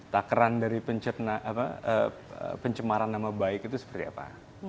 takeran dari pencemaran nama baik itu seperti apa